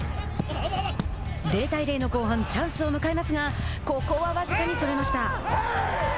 ０対０の後半チャンスを迎えますがここは僅かにそれました。